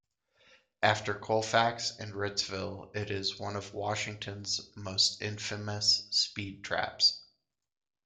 After Colfax and Ritzville, it is one of Washington's most infamous speed traps.